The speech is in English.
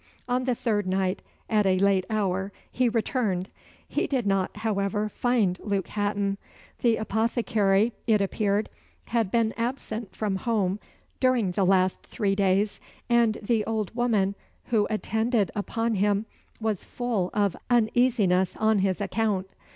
On the third night, at a late hour, he returned. He did not, however, find Luke Hatton. The apothecary, it appeared, had been absent from home during the last three days, and the old woman who attended upon him was full of uneasiness on his account.